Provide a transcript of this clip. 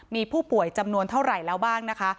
มีผู้ป่วยจำนวนเท่าไหร่แล้วบ้างนะคะ